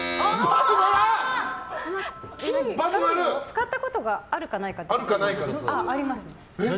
使ったことがあるかないかですよね。あります。